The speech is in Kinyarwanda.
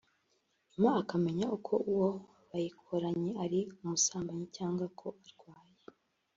nyuma akamenya ko uwo bayikoranye ari umusambanyi cyangwa ko arwaye”